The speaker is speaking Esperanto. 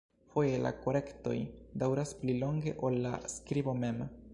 Foje la korektoj daŭras pli longe ol la skribo mem.